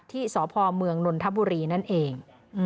ที่สพเมืองนนทบุรีนั่นเอง